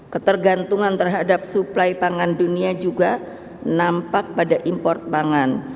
ketergantungan terhadap suplai pangan dunia juga nampak pada import pangan